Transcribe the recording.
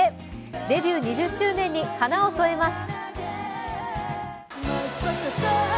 デビュー２０周年に花を添えます。